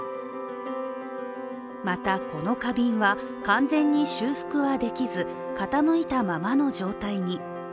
また、この花瓶は完全に修復はできず傾いたままの状態に。